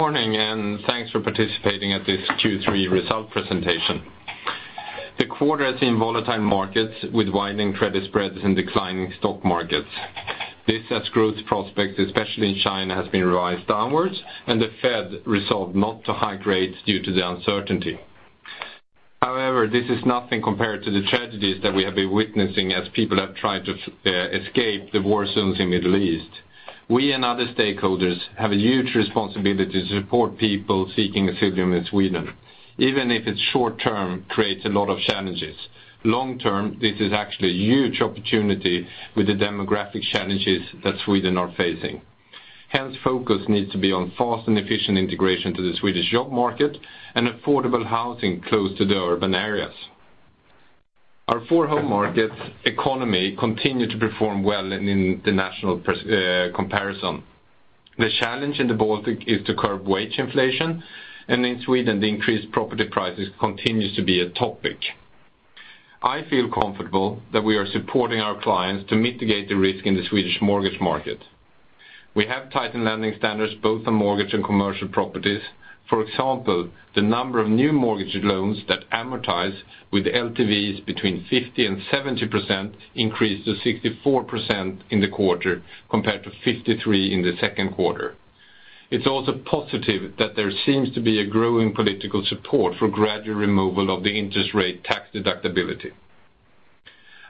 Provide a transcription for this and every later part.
Morning, and thanks for participating at this Q3 result presentation. The quarter has seen volatile markets with widening credit spreads and declining stock markets. This, as growth prospects, especially in China, has been revised downwards, and the Fed resolved not to hike rates due to the uncertainty. However, this is nothing compared to the tragedies that we have been witnessing as people have tried to escape the war zones in Middle East. We and other stakeholders have a huge responsibility to support people seeking asylum in Sweden, even if it's short term, creates a lot of challenges. Long term, this is actually a huge opportunity with the demographic challenges that Sweden are facing. Hence, focus needs to be on fast and efficient integration to the Swedish job market and affordable housing close to the urban areas. Our four home markets economy continue to perform well in, in the national comparison. The challenge in the Baltic is to curb wage inflation, and in Sweden, the increased property prices continues to be a topic. I feel comfortable that we are supporting our clients to mitigate the risk in the Swedish mortgage market. We have tightened lending standards, both on mortgage and commercial properties. For example, the number of new mortgage loans that amortize with LTVs between 50 and 70 percent increased to 64% in the quarter, compared to 53 in the second quarter. It's also positive that there seems to be a growing political support for gradual removal of the interest rate tax deductibility.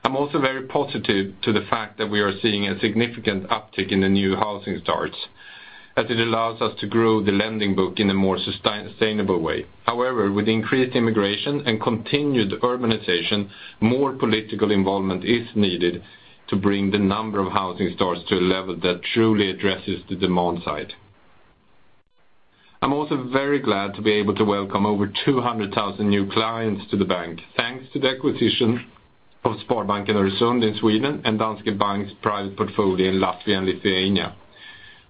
I'm also very positive to the fact that we are seeing a significant uptick in the new housing starts, as it allows us to grow the lending book in a more sustainable way. However, with increased immigration and continued urbanization, more political involvement is needed to bring the number of housing starts to a level that truly addresses the demand side. I'm also very glad to be able to welcome over 200,000 new clients to the bank, thanks to the acquisition of Sparbanken Öresund in Sweden and Danske Bank's private portfolio in Latvia and Lithuania.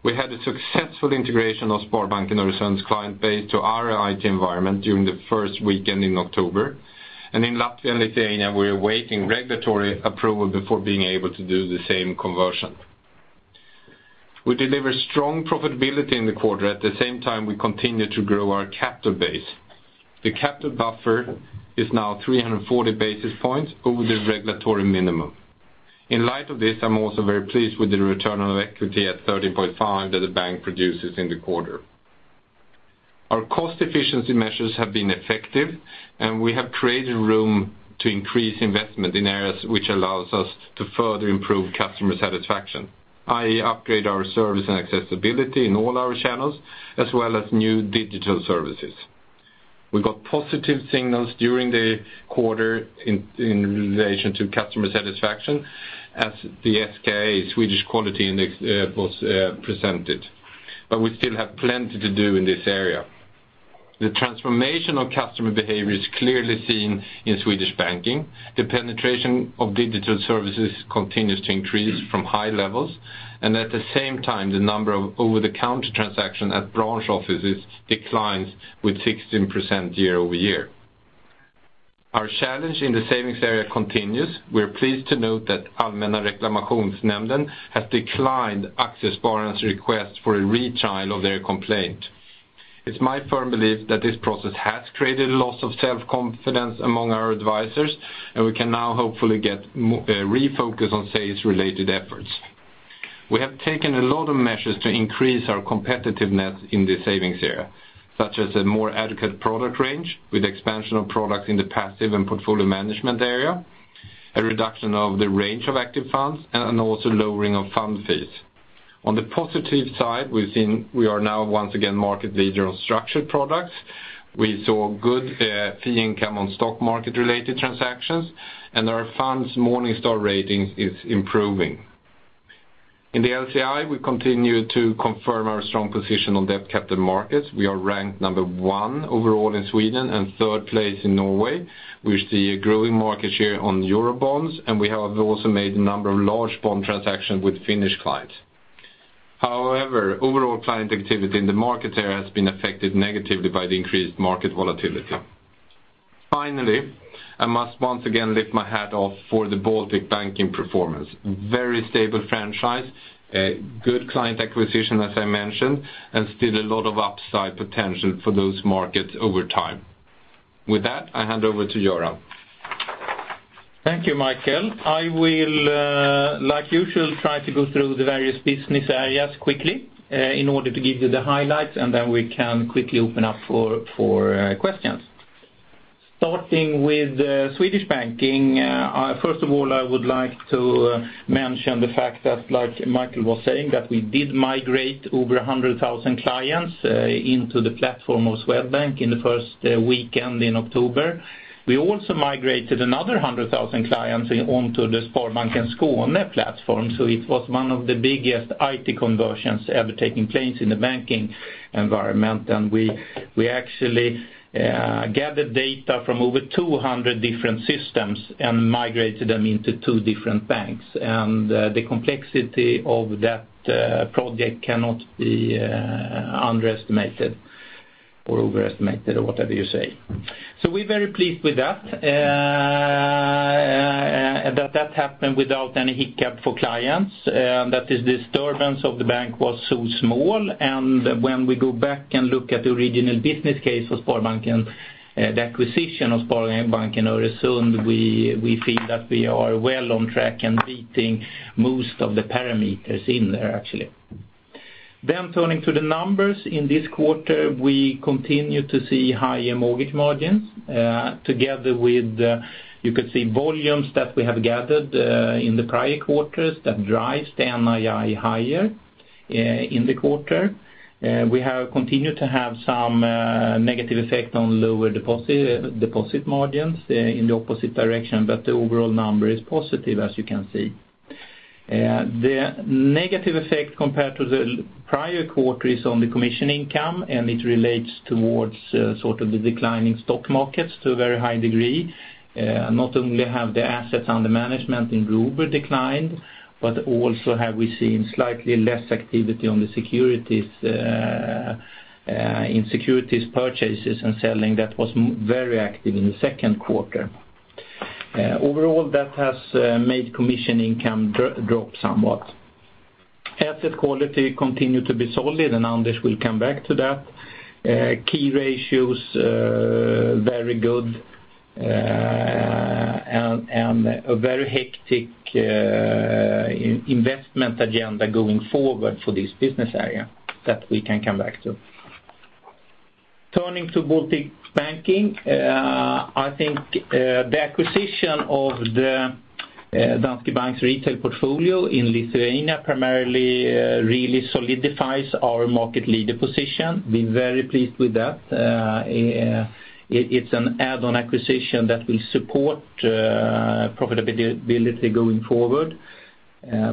We had a successful integration of Sparbanken Öresund's client base to our IT environment during the first weekend in October, and in Latvia and Lithuania, we're awaiting regulatory approval before being able to do the same conversion. We delivered strong profitability in the quarter. At the same time, we continued to grow our capital base. The capital buffer is now 340 basis points over the regulatory minimum. In light of this, I'm also very pleased with the return on equity at 13.5 that the bank produces in the quarter. Our cost efficiency measures have been effective, and we have created room to increase investment in areas which allows us to further improve customer satisfaction, i.e., upgrade our service and accessibility in all our channels, as well as new digital services. We got positive signals during the quarter in relation to customer satisfaction as the SKI, Swedish Quality Index, was presented, but we still have plenty to do in this area. The transformation of customer behavior is clearly seen in Swedish Banking. The penetration of digital services continues to increase from high levels, and at the same time, the number of over-the-counter transactions at branch offices declines with 16% year-over-year. Our challenge in the savings area continues. We are pleased to note that Allmänna Reklamationsnämnden has declined Aktiespararna's request for a retrial of their complaint. It's my firm belief that this process has created a loss of self-confidence among our advisors, and we can now hopefully get refocused on sales-related efforts. We have taken a lot of measures to increase our competitiveness in the savings area, such as a more adequate product range, with expansion of products in the passive and portfolio management area, a reduction of the range of active funds, and also lowering of fund fees. On the positive side, we've seen we are now once again market leader on structured products. We saw good fee income on stock market-related transactions, and our funds Morningstar rating is improving. In the LCI, we continue to confirm our strong position on debt capital markets. We are ranked 1 overall in Sweden and 3rd place in Norway. We see a growing market share on euro bonds, and we have also made a number of large bond transactions with Finnish clients. However, overall client activity in the market area has been affected negatively by the increased market volatility. Finally, I must once again lift my hat off for the Baltic Banking performance. Very stable franchise, a good client acquisition, as I mentioned, and still a lot of upside potential for those markets over time. With that, I hand over to Göran. Thank you, Michael. I will, like usual, try to go through the various business areas quickly, in order to give you the highlights, and then we can quickly open up for questions. Starting with Swedish Banking, first of all, I would like to mention the fact that, like Michael was saying, that we did migrate over 100,000 clients into the platform of Swedbank in the first weekend in October. We also migrated another 100,000 clients onto the Sparbanken Skåne platform, so it was one of the biggest IT conversions ever taking place in the banking environment. And we actually gathered data from over 200 different systems and migrated them into two different banks. And the complexity of that project cannot be underestimated... or overestimated or whatever you say. So we're very pleased with that, and that happened without any hiccup for clients. That is, the disturbance of the bank was so small, and when we go back and look at the original business case for Sparbanken Öresund, the acquisition of Sparbanken Öresund, we feel that we are well on track and beating most of the parameters in there, actually. Then turning to the numbers, in this quarter, we continue to see higher mortgage margins, together with volumes that we have gathered in the prior quarters that drives the NII higher in the quarter. We have continued to have some negative effect on lower deposit margins in the opposite direction, but the overall number is positive, as you can see. The negative effect compared to the prior quarter is on the commission income, and it relates towards, sort of the declining stock markets to a very high degree. Not only have the assets under management in group declined, but also have we seen slightly less activity on the securities, in securities purchases and selling that was very active in the second quarter. Overall, that has made commission income drop somewhat. Asset quality continue to be solid, and Anders will come back to that. Key ratios, very good, and a very hectic investment agenda going forward for this business area that we can come back to. Turning to Baltic Banking, I think, the acquisition of the Danske Bank's retail portfolio in Lithuania, primarily, really solidifies our market leader position. We're very pleased with that. It's an add-on acquisition that will support profitability going forward.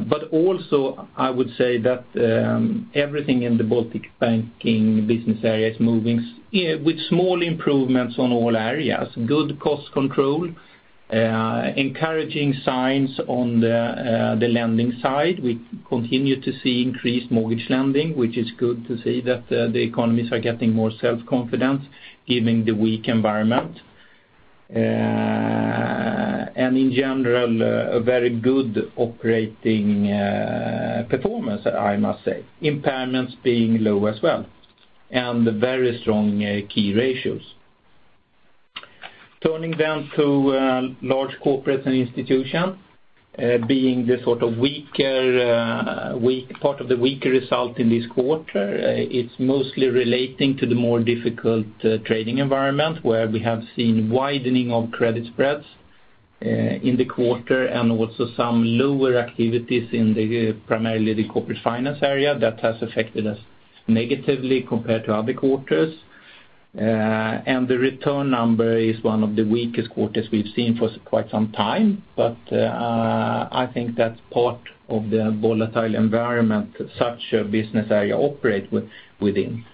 But also I would say that everything in the Baltic Banking business area is moving, yeah, with small improvements on all areas. Good cost control, encouraging signs on the lending side. We continue to see increased mortgage lending, which is good to see that the economies are getting more self-confidence given the weak environment. And in general, a very good operating performance, I must say. Impairments being low as well, and very strong key ratios. Turning down to Large Corporates and Institutions, being the sort of weaker part of the weaker result in this quarter, it's mostly relating to the more difficult trading environment, where we have seen widening of credit spreads in the quarter, and also some lower activities in the primarily the corporate finance area that has affected us negatively compared to other quarters. And the return number is one of the weakest quarters we've seen for quite some time, but I think that's part of the volatile environment such a business area operate within.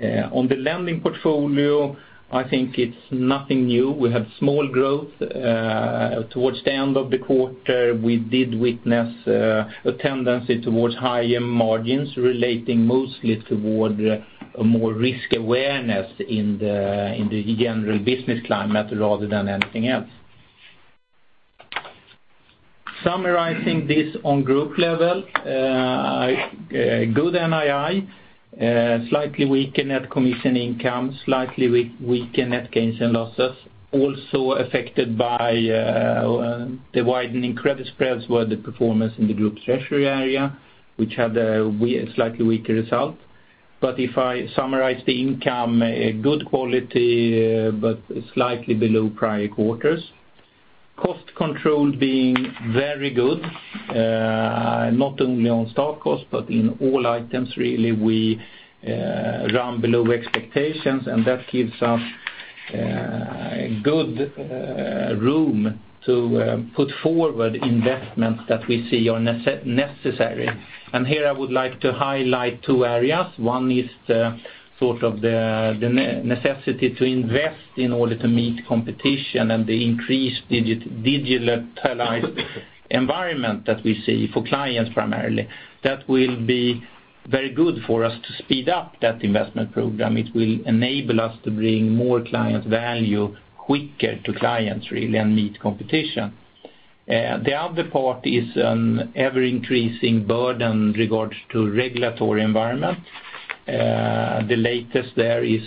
On the lending portfolio, I think it's nothing new. We have small growth towards the end of the quarter; we did witness a tendency towards higher margins relating mostly toward a more risk awareness in the general business climate rather than anything else. Summarizing this on group level, good NII, slightly weaker net commission income, slightly weaker net gains and losses, also affected by the widening credit spreads were the performance in the Group Treasury area, which had a slightly weaker result. But if I summarize the income, a good quality, but slightly below prior quarters. Cost control being very good, not only on staff costs, but in all items, really, we run below expectations, and that gives us good room to put forward investments that we see are necessary. And here, I would like to highlight two areas. One is the sort of the necessity to invest in order to meet competition and the increased digitalized environment that we see for clients, primarily. That will be very good for us to speed up that investment program. It will enable us to bring more client value quicker to clients, really, and meet competition. The other part is an ever-increasing burden in regards to regulatory environment. The latest there is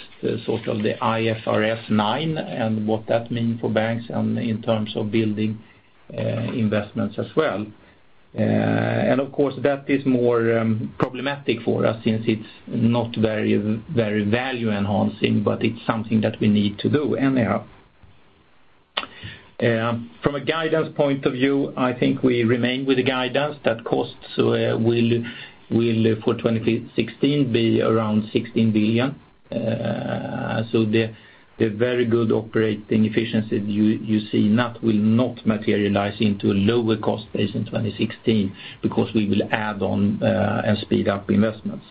sort of the IFRS 9, and what that mean for banks and in terms of building, investments as well. And of course, that is more, problematic for us since it's not very, very value enhancing, but it's something that we need to do anyhow. From a guidance point of view, I think we remain with the guidance that costs, will, will for 2016 be around 16 billion. So the, the very good operating efficiency you, you see now will not materialize into a lower cost base in 2016 because we will add on, and speed up investments.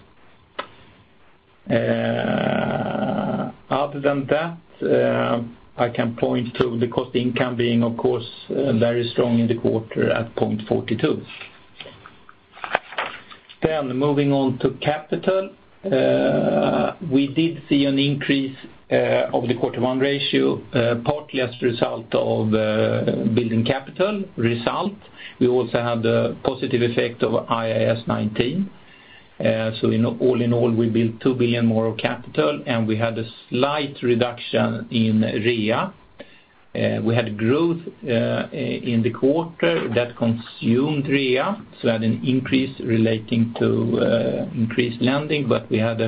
Other than that, I can point to the cost income being, of course, very strong in the quarter at 0.42. Then moving on to capital, we did see an increase of the Core Tier 1 ratio, partly as a result of building capital result. We also had the positive effect of IAS 19. So in all in all, we built 2 billion more of capital, and we had a slight reduction in REA. We had growth in the quarter that consumed REA, so had an increase relating to increased lending, but we had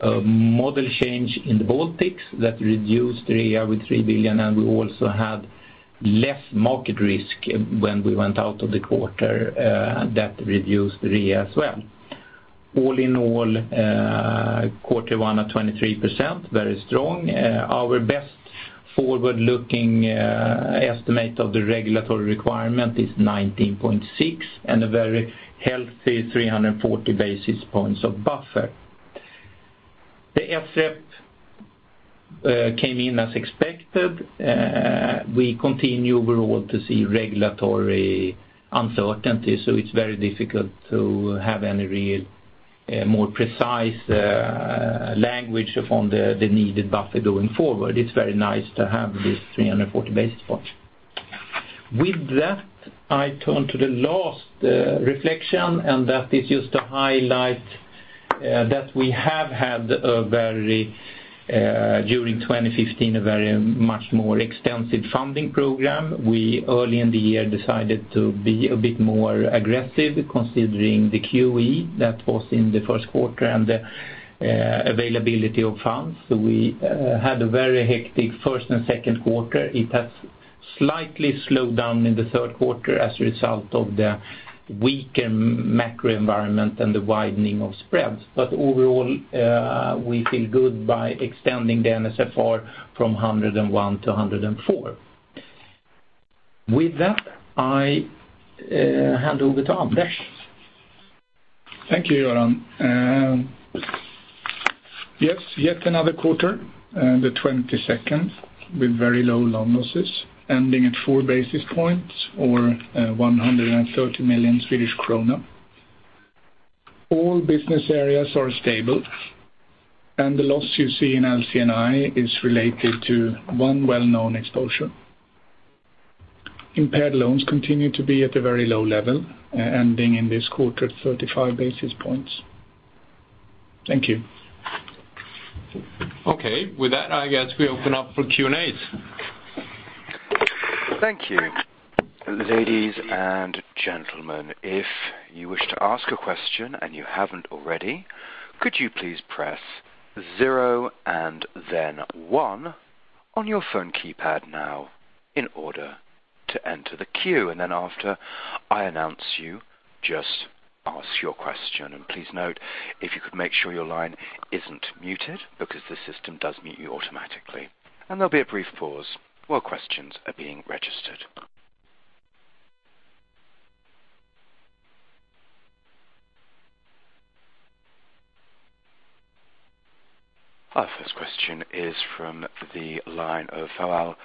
a model change in the Baltics that reduced REA with 3 billion, and we also had less market risk when we went out of the quarter that reduced REA as well. All in all, Core tier one at 23%, very strong. Our best forward-looking estimate of the regulatory requirement is 19.6, and a very healthy 340 basis points of buffer. The SREP came in as expected. We continue overall to see regulatory uncertainty, so it's very difficult to have any real more precise language on the needed buffer going forward. It's very nice to have this 340 basis points. With that, I turn to the last reflection, and that is just to highlight that we have had a very during 2015, a very much more extensive funding program. We early in the year decided to be a bit more aggressive considering the QE that was in the first quarter and availability of funds. So we had a very hectic first and second quarter. It has slightly slowed down in the third quarter as a result of the weaker macro environment and the widening of spreads. But overall, we feel good by extending the NSFR from 101 to 104. With that, I hand over to Anders. Thank you, Göran. Yes, yet another quarter, the 22nd, with very low loan losses, ending at 4 basis points or 130 million Swedish krona. All business areas are stable, and the loss you see in LCI is related to one well-known exposure. Impaired loans continue to be at a very low level, ending in this quarter at 35 basis points. Thank you. Okay, with that, I guess we open up for Q&As. Thank you. Ladies and gentlemen, if you wish to ask a question and you haven't already, could you please press zero and then one on your phone keypad now in order to enter the queue? And then after I announce you, just ask your question. And please note, if you could make sure your line isn't muted, because the system does mute you automatically. And there'll be a brief pause while questions are being registered. Our first question is from the line of Pavel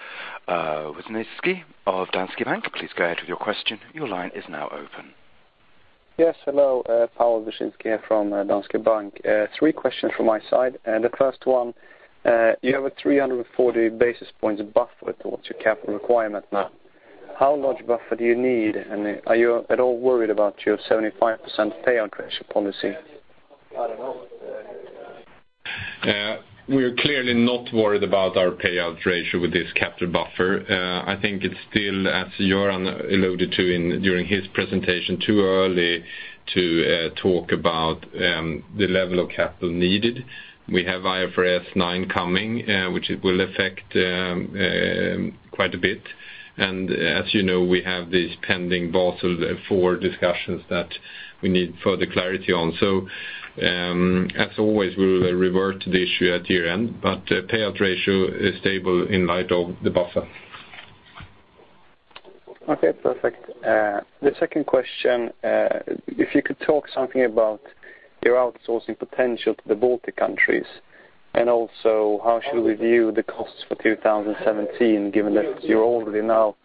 Vyzhynskyy of Danske Bank. Please go ahead with your question. Your line is now open. Yes, hello, Pavel Vyzhynskyy from Danske Bank. Three questions from my side, and the first one, you have a 340 basis points buffer towards your capital requirement now. How large buffer do you need, and are you at all worried about your 75% payout ratio policy? We are clearly not worried about our payout ratio with this capital buffer. I think it's still, as Göran alluded to during his presentation, too early to talk about the level of capital needed. We have IFRS 9 coming, which will affect quite a bit. And as you know, we have this pending Basel IV discussions that we need further clarity on. So, as always, we will revert to the issue at year-end, but payout ratio is stable in light of the buffer. Okay, perfect. The second question, if you could talk something about your outsourcing potential to the Baltic countries, and also how should we view the costs for 2017, given that you're already now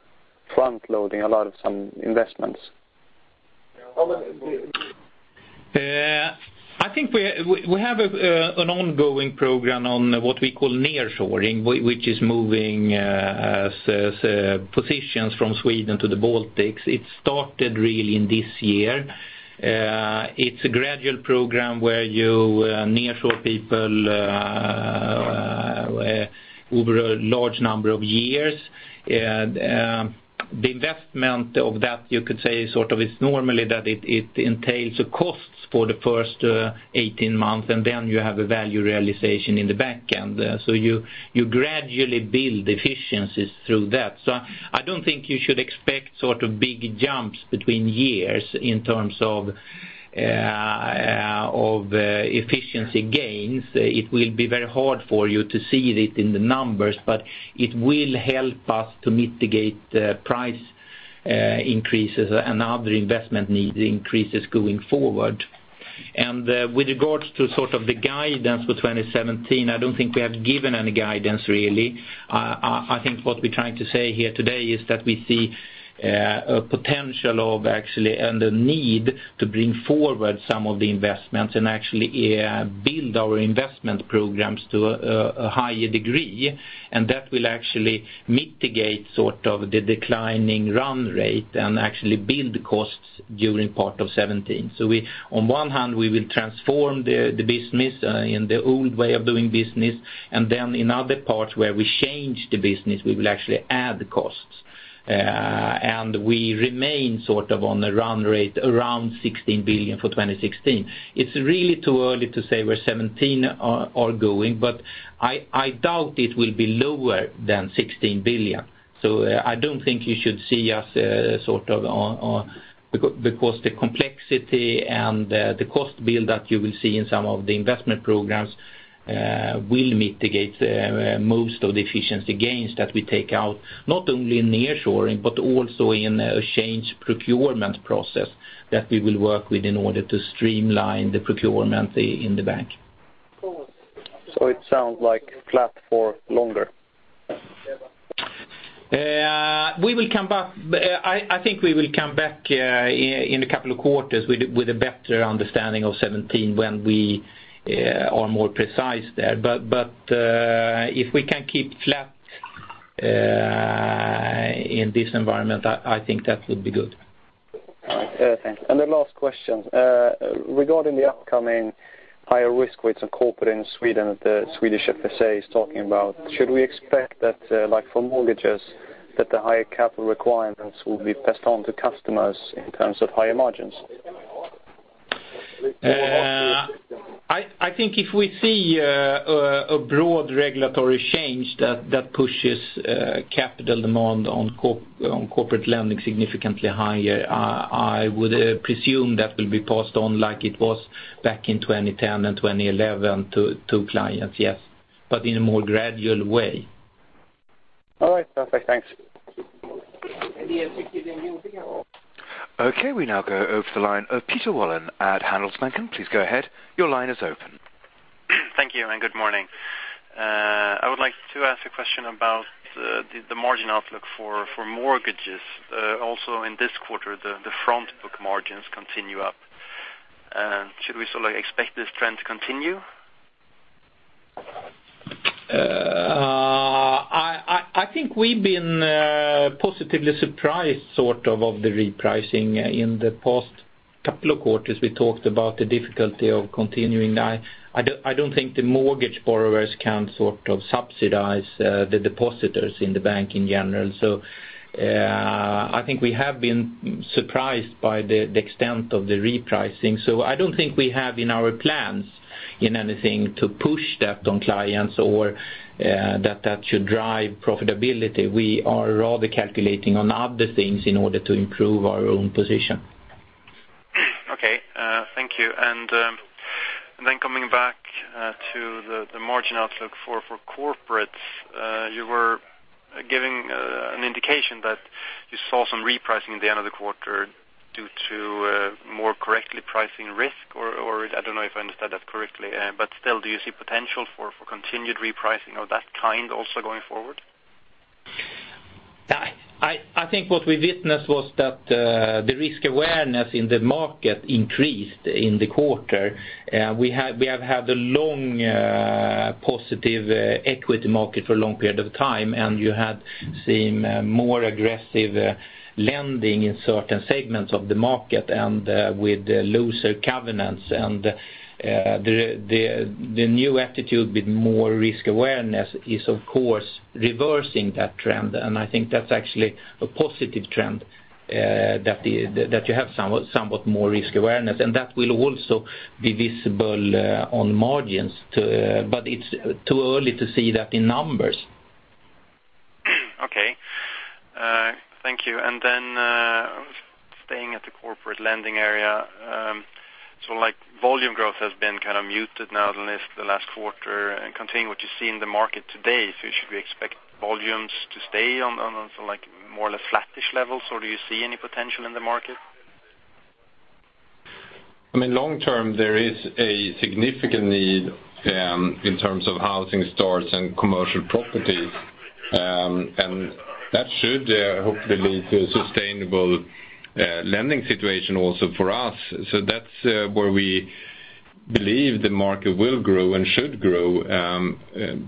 front-loading a lot of some investments? I think we have an ongoing program on what we call nearshoring, which is moving positions from Sweden to the Baltics. It started really in this year. It's a gradual program where you nearshore people over a large number of years. The investment of that, you could say, sort of, it's normally that it entails the costs for the first 18 months, and then you have a value realization in the back end. So you gradually build efficiencies through that. So I don't think you should expect sort of big jumps between years in terms of efficiency gains. It will be very hard for you to see it in the numbers, but it will help us to mitigate the price increases and other investment need increases going forward. With regards to sort of the guidance for 2017, I don't think we have given any guidance really. I think what we're trying to say here today is that we see a potential of actually, and the need to bring forward some of the investments and actually build our investment programs to a higher degree. And that will actually mitigate sort of the declining run rate and actually build costs during part of 2017. So we, on one hand, will transform the business in the old way of doing business, and then in other parts, where we change the business, we will actually add costs. And we remain sort of on the run rate around 16 billion for 2016. It's really too early to say where 17 are going, but I doubt it will be lower than 16 billion. So I don't think you should see us sort of on because the complexity and the cost build that you will see in some of the investment programs will mitigate most of the efficiency gains that we take out, not only in nearshoring, but also in a change procurement process that we will work with in order to streamline the procurement in the bank. So it sounds like flat for longer? We will come back. I think we will come back in a couple of quarters with a better understanding of seventeen when we are more precise there. But, if we can keep flat in this environment, I think that would be good. Thanks. The last question, regarding the upcoming higher risk weights on corporate in Sweden, the Swedish FSA is talking about, should we expect that, like for mortgages, that the higher capital requirements will be passed on to customers in terms of higher margins? I think if we see a broad regulatory change that pushes capital demand on corporate lending significantly higher, I would presume that will be passed on like it was back in 2010 and 2011 to clients, yes, but in a more gradual way. All right, perfect. Thanks. Okay, we now go over to the line of Peter Wallin at Handelsbanken. Please go ahead. Your line is open. Thank you, and good morning. I would like to ask a question about the margin outlook for mortgages. Also in this quarter, the front book margins continue up. Should we sort of expect this trend to continue? I think we've been positively surprised, sort of, of the repricing in the past couple of quarters. We talked about the difficulty of continuing that. I don't think the mortgage borrowers can sort of subsidize the depositors in the bank in general. So I think we have been surprised by the extent of the repricing. So I don't think we have in our plans anything to push that on clients or that should drive profitability. We are rather calculating on other things in order to improve our own position. Okay, thank you. And then coming back to the margin outlook for corporates, you were giving an indication that you saw some repricing at the end of the quarter due to more correctly pricing risk, or I don't know if I understand that correctly. But still, do you see potential for continued repricing of that kind also going forward? I think what we witnessed was that the risk awareness in the market increased in the quarter. We have had a long positive equity market for a long period of time, and you had seen more aggressive lending in certain segments of the market and with looser covenants. And the new attitude with more risk awareness is, of course, reversing that trend. And I think that's actually a positive trend, that you have somewhat more risk awareness, and that will also be visible on margins too. But it's too early to see that in numbers. Okay. Thank you. And then, staying at the corporate lending area, so like volume growth has been kind of muted now in this, the last quarter. And continuing what you see in the market today, so should we expect volumes to stay on like more or less flattish levels, or do you see any potential in the market? I mean, long term, there is a significant need in terms of housing starts and commercial properties. And that should hopefully lead to a sustainable lending situation also for us. So that's where we believe the market will grow and should grow.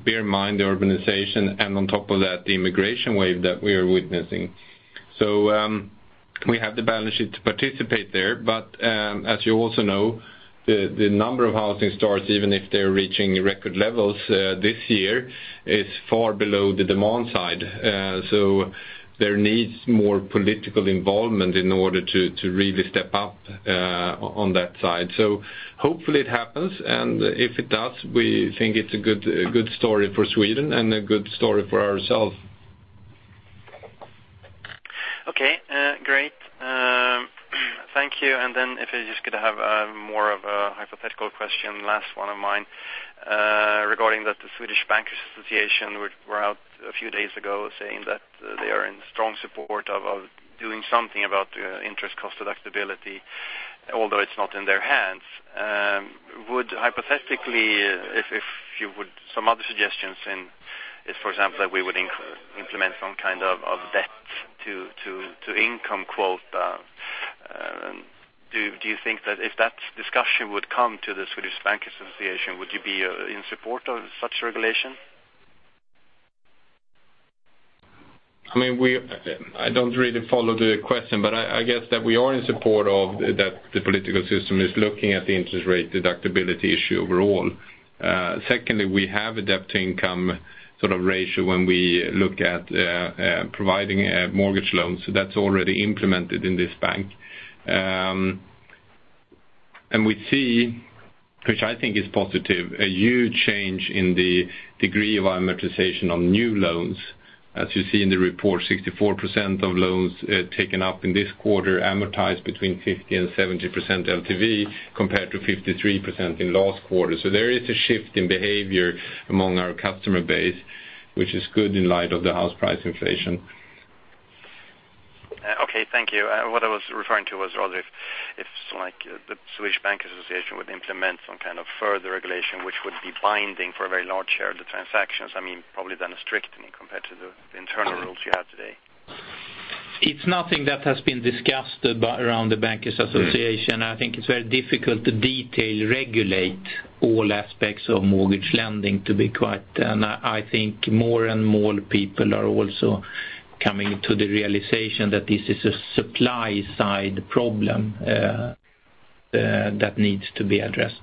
Bear in mind the urbanization, and on top of that, the immigration wave that we are witnessing. So we have the balance sheet to participate there. But as you also know, the number of housing starts, even if they're reaching record levels this year, is far below the demand side. So there needs more political involvement in order to really step up on that side. So hopefully it happens, and if it does, we think it's a good, a good story for Sweden and a good story for ourselves.... Okay, great. Thank you. And then if I just could have more of a hypothetical question, last one of mine, regarding that the Swedish Bankers Association were out a few days ago saying that they are in strong support of doing something about interest cost deductibility, although it's not in their hands. Would hypothetically, if you would, some other suggestions, and if, for example, that we would implement some kind of debt to income quote, do you think that if that discussion would come to the Swedish Bankers Association, would you be in support of such regulation? I mean, we, I don't really follow the question, but I, I guess that we are in support of that the political system is looking at the interest rate deductibility issue overall. Secondly, we have a debt-to-income sort of ratio when we look at, providing, mortgage loans. So that's already implemented in this bank. And we see, which I think is positive, a huge change in the degree of our amortization on new loans. As you see in the report, 64% of loans, taken up in this quarter amortized between 50%-70% LTV, compared to 53% in last quarter. So there is a shift in behavior among our customer base, which is good in light of the house price inflation. Okay, thank you. What I was referring to was rather if, if like the Swedish Bank Association would implement some kind of further regulation, which would be binding for a very large share of the transactions, I mean, probably then a stricter compared to the internal rules you have today. It's nothing that has been discussed around the Bankers Association. I think it's very difficult to detail regulate all aspects of mortgage lending, to be quite. And I think more and more people are also coming to the realization that this is a supply-side problem that needs to be addressed.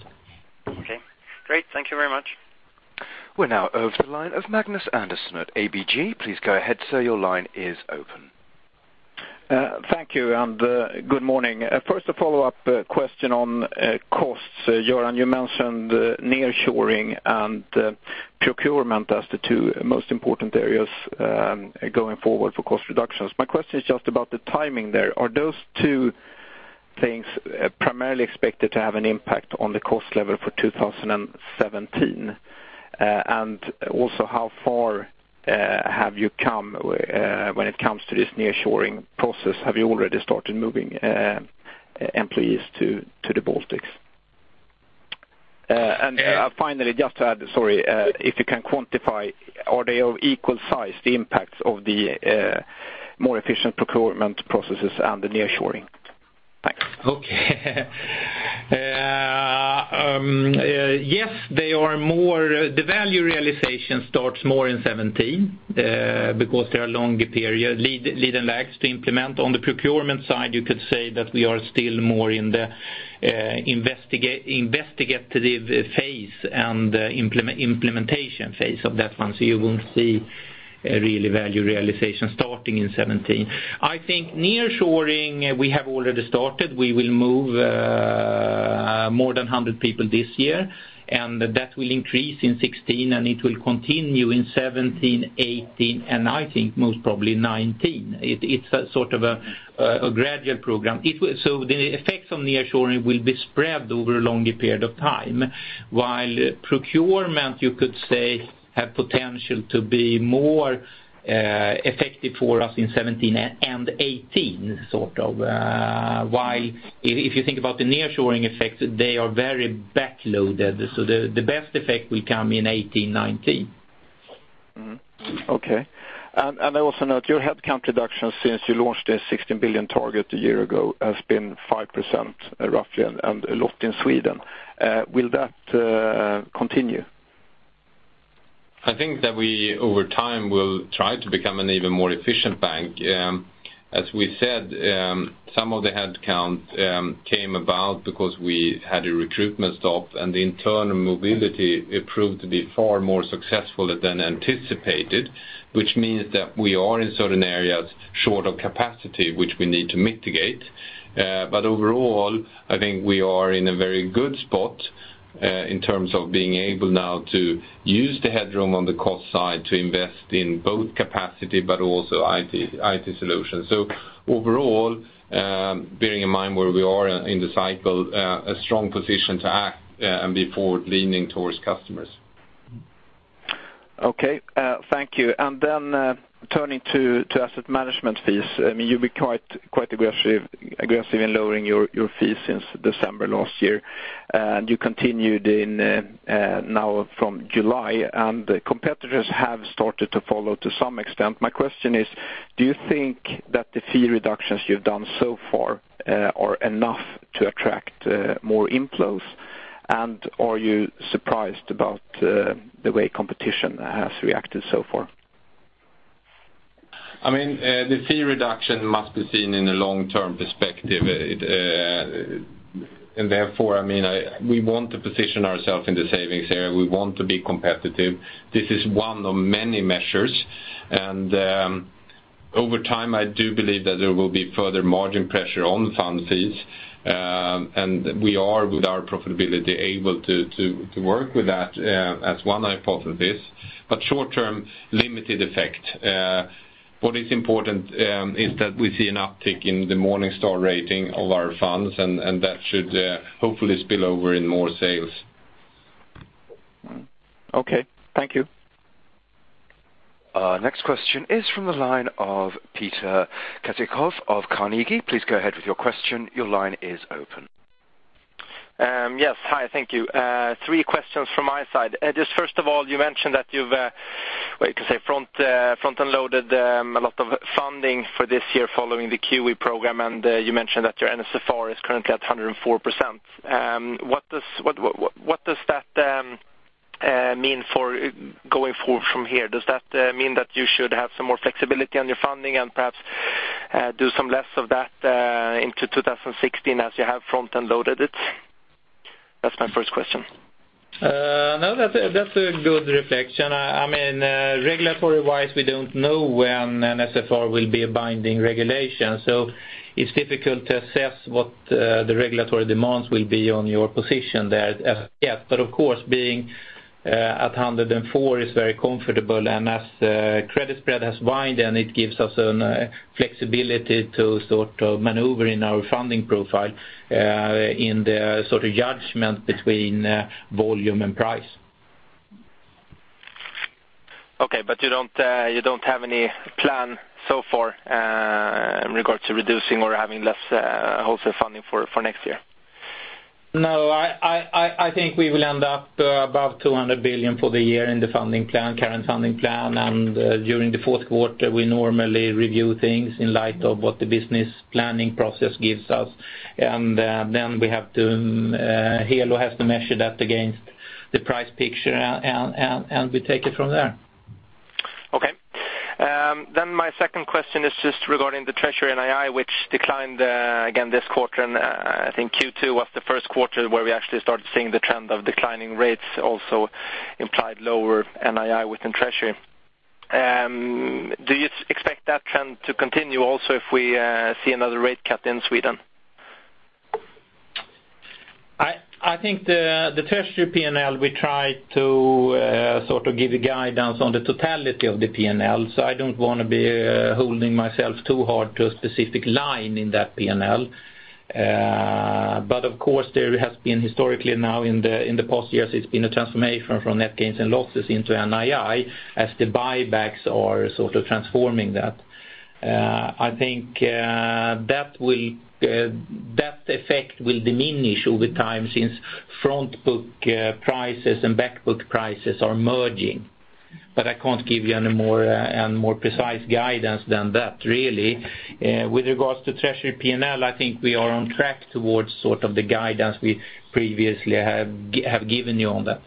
Okay, great. Thank you very much. We're now over to the line of Magnus Andersson at ABG. Please go ahead, sir, your line is open. Thank you, and good morning. First, a follow-up question on costs. Göran, you mentioned nearshoring and procurement as the two most important areas, going forward for cost reductions. My question is just about the timing there. Are those two things primarily expected to have an impact on the cost level for 2017? And also, how far have you come when it comes to this nearshoring process? Have you already started moving employees to the Baltics? And finally, just to add, sorry, if you can quantify, are they of equal size, the impacts of the more efficient procurement processes and the nearshoring? Thanks. Okay. Yes, they are more, the value realization starts more in 2017, because there are longer period lead and lags to implement. On the procurement side, you could say that we are still more in the investigative phase and implementation phase of that one, so you won't see a really value realization starting in 2017. I think nearshoring, we have already started. We will move more than 100 people this year, and that will increase in 2016, and it will continue in 2017, 2018, and I think most probably 2019. It's a sort of a gradual program. So the effects on nearshoring will be spread over a longer period of time. While procurement, you could say, have potential to be more effective for us in 2017 and 2018, sort of. If you think about the nearshoring effects, they are very backloaded, so the best effect will come in 2018, 2019. Mm-hmm. Okay. And, and I also note your headcount reduction since you launched the 16 billion target a year ago, has been 5%, roughly, and, and a lot in Sweden. Will that continue? I think that we, over time, will try to become an even more efficient bank. As we said, some of the headcount came about because we had a recruitment stop, and the internal mobility improved to be far more successful than anticipated, which means that we are, in certain areas, short of capacity, which we need to mitigate. But overall, I think we are in a very good spot, in terms of being able now to use the headroom on the cost side to invest in both capacity but also IT, IT solutions. So overall, bearing in mind where we are in the cycle, a strong position to act, and be forward-leaning towards customers. Okay, thank you. And then, turning to asset management fees, I mean, you've been quite aggressive in lowering your fees since December last year, and you continued now from July, and the competitors have started to follow to some extent. My question is, do you think that the fee reductions you've done so far are enough to attract more inflows? And are you surprised about the way competition has reacted so far? I mean, the fee reduction must be seen in a long-term perspective. Therefore, I mean, I, we want to position ourselves in the savings area. We want to be competitive. This is one of many measures, and over time, I do believe that there will be further margin pressure on the fund fees, and we are, with our profitability, able to to work with that, as one hypothesis, but short-term, limited effect.... What is important is that we see an uptick in the Morningstar rating of our funds, and that should hopefully spill over in more sales. Okay, thank you. Next question is from the line of Peter Kessiakoff of Carnegie. Please go ahead with your question. Your line is open. Yes. Hi, thank you. Three questions from my side. Just first of all, you mentioned that you've, well, you can say, front-loaded a lot of funding for this year following the QE program, and you mentioned that your NSFR is currently at 104%. What does that mean for going forward from here? Does that mean that you should have some more flexibility on your funding and perhaps do some less of that into 2016, as you have fron-loaded it? That's my first question. No, that's a, that's a good reflection. I mean, regulatory-wise, we don't know when NSFR will be a binding regulation, so it's difficult to assess what the regulatory demands will be on your position there as yet. But of course, being at 104 is very comfortable, and as credit spread has widened, it gives us an flexibility to sort of maneuver in our funding profile, in the sort of judgment between volume and price. Okay, but you don't, you don't have any plan so far, in regards to reducing or having less, wholesale funding for, for next year? No, I think we will end up above 200 billion for the year in the funding plan, current funding plan. During the fourth quarter, we normally review things in light of what the business planning process gives us. Then we have to, Helo has to measure that against the price picture, and we take it from there. Okay. Then my second question is just regarding the treasury NII, which declined again this quarter. I think Q2 was the first quarter where we actually started seeing the trend of declining rates, also implied lower NII within treasury. Do you expect that trend to continue also if we see another rate cut in Sweden? I think the treasury PNL, we try to sort of give a guidance on the totality of the PNL, so I don't want to be holding myself too hard to a specific line in that PNL. But of course, there has been historically now in the past years, it's been a transformation from net gains and losses into NII, as the buybacks are sort of transforming that. I think that effect will diminish over time since front book prices and back book prices are merging. But I can't give you any more and more precise guidance than that, really. With regards to treasury PNL, I think we are on track towards sort of the guidance we previously have given you on that.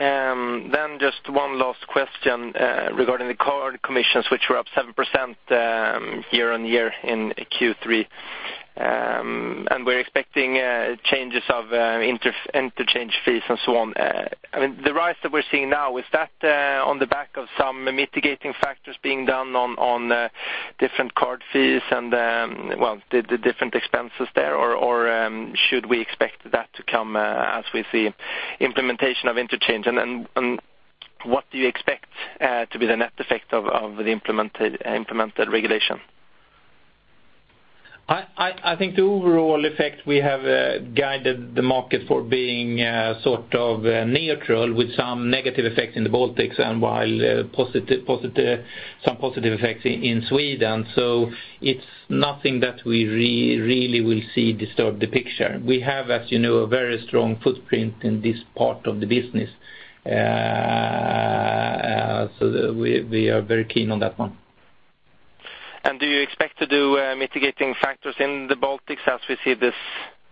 Okay. Then just one last question regarding the card commissions, which were up 7% year-on-year in Q3. And we're expecting changes of inter-interchange fees and so on. I mean, the rise that we're seeing now, is that on the back of some mitigating factors being done on, on different card fees and, well, the, the different expenses there? Or, or should we expect that to come as we see implementation of interchange? And, and, and what do you expect to be the net effect of, of the implemented, implemented regulation? I think the overall effect, we have guided the market for being sort of neutral, with some negative effects in the Baltics, and while positive, some positive effects in Sweden. So it's nothing that we really will see disturb the picture. We have, as you know, a very strong footprint in this part of the business. So we are very keen on that one. Do you expect to do mitigating factors in the Baltics as we see this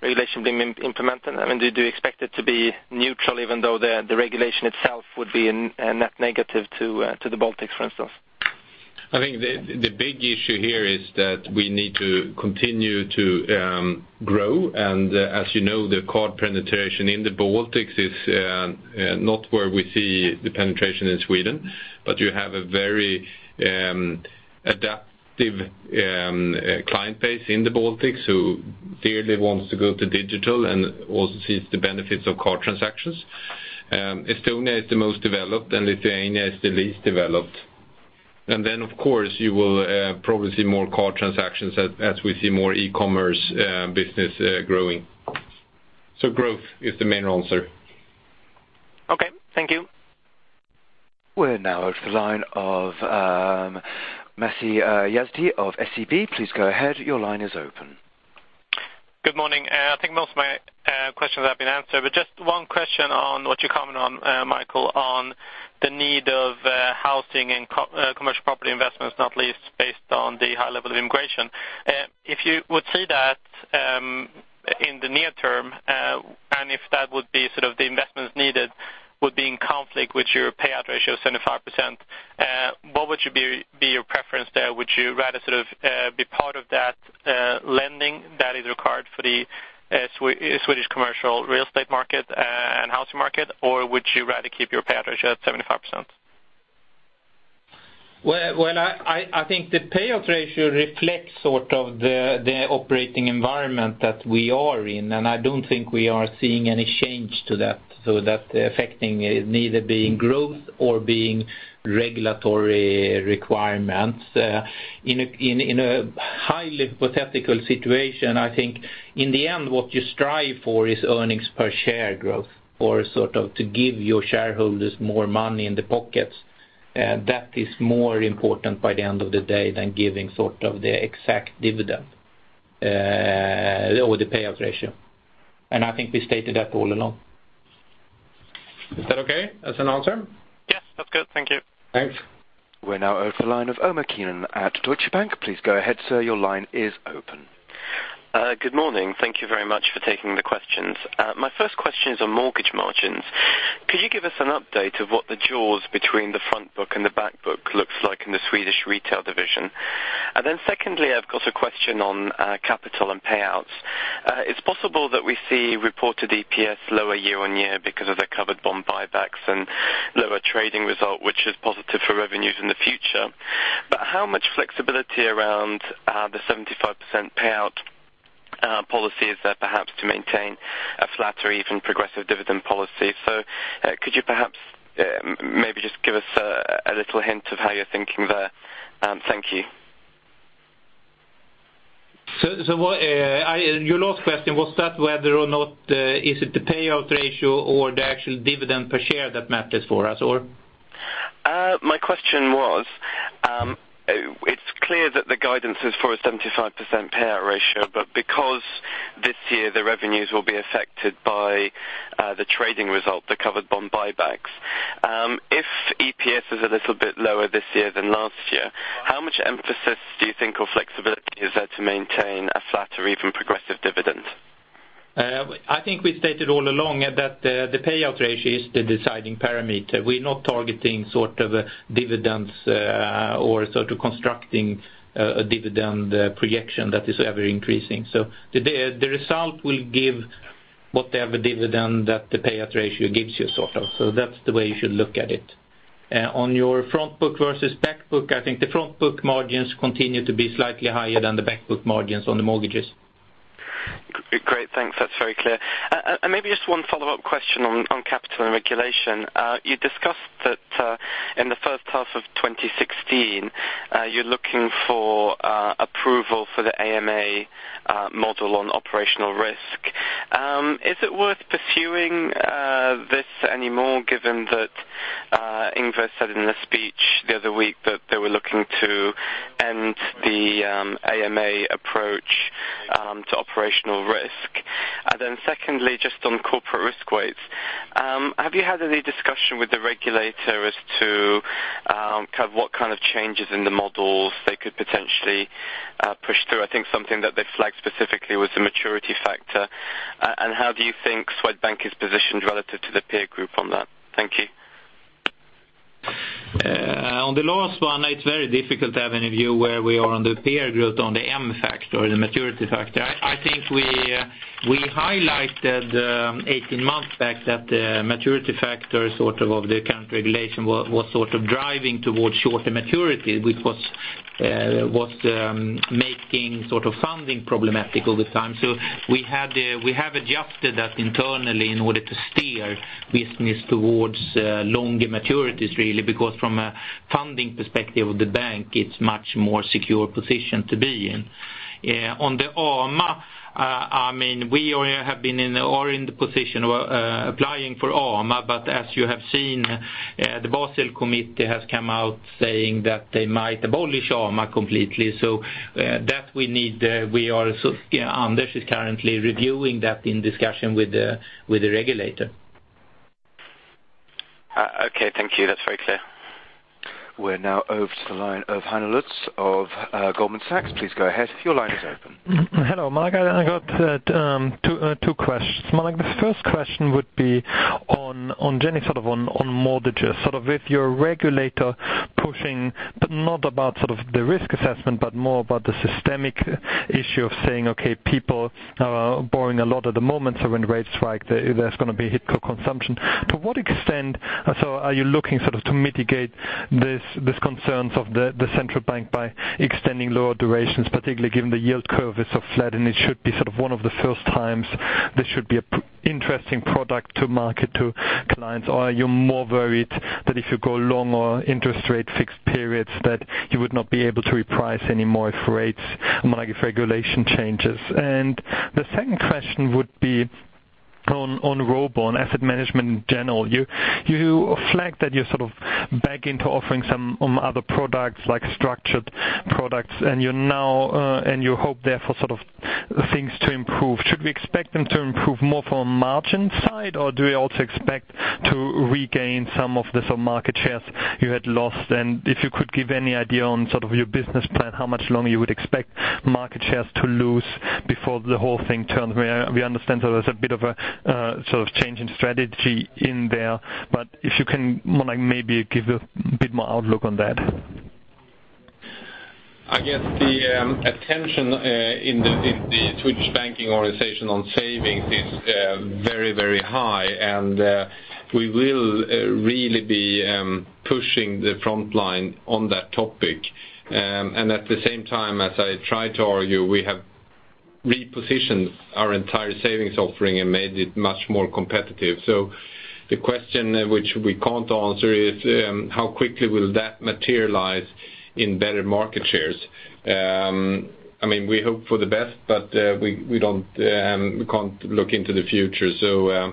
regulation being implemented? I mean, do you expect it to be neutral, even though the regulation itself would be a net negative to the Baltics, for instance? I think the big issue here is that we need to continue to grow. And as you know, the card penetration in the Baltics is not where we see the penetration in Sweden. But you have a very adaptive client base in the Baltics who clearly wants to go to digital and also sees the benefits of card transactions. Estonia is the most developed, and Lithuania is the least developed. And then, of course, you will probably see more card transactions as we see more e-commerce business growing. So growth is the main answer. Okay, thank you. We're now at the line of MasihYazdi of SEB. Please go ahead. Your line is open. Good morning. I think most of my questions have been answered, but just one question on what you comment on, Michael, on the need of housing and commercial property investments, not least based on the high level of immigration. If you would see that in the near term, and if that would be sort of the investments needed, would be in conflict with your payout ratio of 75%, what would be your preference there? Would you rather sort of be part of that lending that is required for the Swedish commercial real estate market and housing market, or would you rather keep your payout ratio at 75%? ...Well, I think the payout ratio reflects sort of the operating environment that we are in, and I don't think we are seeing any change to that. So that affecting it neither being growth or being regulatory requirements. In a highly hypothetical situation, I think in the end, what you strive for is earnings per share growth or sort of to give your shareholders more money in the pockets. And that is more important by the end of the day than giving sort of the exact dividend or the payout ratio. And I think we stated that all along. Is that okay as an answer? Yes, that's good. Thank you. Thanks. We're now over to the line of Omar Keenan at Deutsche Bank. Please go ahead, sir, your line is open. Good morning. Thank you very much for taking the questions. My first question is on mortgage margins. Could you give us an update of what the jaws between the front book and the back book looks like in the Swedish retail division? And then secondly, I've got a question on capital and payouts. It's possible that we see reported EPS lower year-on-year because of the covered bond buybacks and lower trading result, which is positive for revenues in the future. But how much flexibility around the 75% payout policy is there perhaps to maintain a flat or even progressive dividend policy? So, could you perhaps maybe just give us a little hint of how you're thinking there? Thank you. So, what, your last question, was that whether or not is it the payout ratio or the actual dividend per share that matters for us, or? My question was, it's clear that the guidance is for a 75% payout ratio, but because this year, the revenues will be affected by, the trading result, the covered bond buybacks. If EPS is a little bit lower this year than last year, how much emphasis do you think or flexibility is there to maintain a flat or even progressive dividend? I think we stated all along that the payout ratio is the deciding parameter. We're not targeting sort of dividends, or sort of constructing a dividend projection that is ever increasing. So the result will give whatever dividend that the payout ratio gives you, sort of. So that's the way you should look at it. On your front book versus back book, I think the front book margins continue to be slightly higher than the back book margins on the mortgages. Great, thanks. That's very clear. Maybe just one follow-up question on capital and regulation. You discussed that in the first half of 2016, you're looking for approval for the AMA model on operational risk. Is it worth pursuing this anymore, given that Ingves said in a speech the other week that they were looking to end the AMA approach to operational risk? Then secondly, just on corporate risk weights, have you had any discussion with the regulator as to kind of what kind of changes in the models they could potentially push through? I think something that they flagged specifically was the maturity factor. How do you think Swedbank is positioned relative to the peer group on that? Thank you. On the last one, it's very difficult to have any view where we are on the peer group, on the M factor or the maturity factor. I think we highlighted 18 months back that the maturity factor, sort of, of the current regulation was sort of driving towards shorter maturity, which was making sort of funding problematic over time. So we had, we have adjusted that internally in order to steer business towards longer maturities, really, because from a funding perspective of the bank, it's much more secure position to be in. On the AMA, I mean, we already have been in or in the position of applying for AMA, but as you have seen, the Basel Committee has come out saying that they might abolish AMA completely. So, that we need. Anders is currently reviewing that in discussion with the regulator. Okay, thank you. That's very clear. We're now over to the line of Heino Loll of, Goldman Sachs. Please go ahead, your line is open. Hello, Michael, I got two questions. Marg, the first question would be on generally, sort of on mortgages, sort of with your regulator pushing, but not about sort of the risk assessment, but more about the systemic issue of saying, okay, people are borrowing a lot at the moment, so when rates strike, there's going to be a hit to consumption. To what extent are you looking sort of to mitigate these concerns of the central bank by extending lower durations, particularly given the yield curve is so flat, and it should be sort of one of the first times this should be a pretty interesting product to market to clients? Or are you more worried that if you go long or interest rate fixed periods, that you would not be able to reprice any more if rates, like, if regulation changes? The second question would be on, on Robur, on asset management in general. You, you flagged that you're sort of back into offering some, other products, like structured products, and you're now, and you hope, therefore, sort of things to improve. Should we expect them to improve more from margin side, or do we also expect to regain some of the sort of market shares you had lost? And if you could give any idea on sort of your business plan, how much longer you would expect market shares to lose before the whole thing turns? We, we understand there's a bit of a, sort of change in strategy in there, but if you can more like maybe give a bit more outlook on that.... I guess the attention in the Swedish Banking organization on savings is very, very high, and we will really be pushing the front line on that topic. And at the same time, as I try to argue, we have repositioned our entire savings offering and made it much more competitive. So the question which we can't answer is how quickly will that materialize in better market shares? I mean, we hope for the best, but we, we don't, we can't look into the future. So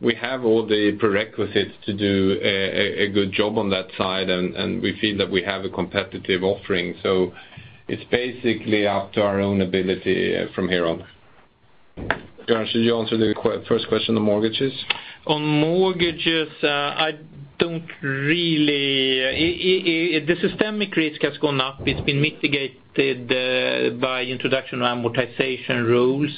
we have all the prerequisites to do a good job on that side, and we feel that we have a competitive offering. So it's basically up to our own ability from here on. Göran, should you answer the first question on mortgages? On mortgages, I don't really—I, I, the systemic risk has gone up. It's been mitigated by introduction of amortization rules.